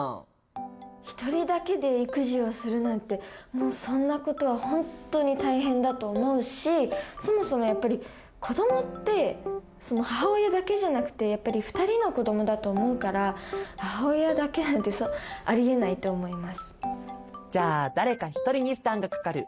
一人だけで育児をするなんてもうそんなことはほんとに大変だと思うしそもそもやっぱり子どもって母親だけじゃなくてやっぱり２人の子どもだと思うから母親だけなんてありえないと思います。